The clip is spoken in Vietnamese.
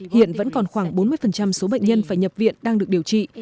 hiện vẫn còn khoảng bốn mươi số bệnh nhân phải nhập viện đang được điều trị